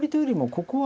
ここは。